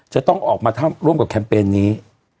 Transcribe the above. จะต้องออกมาร่วมกับแคมเปญนี้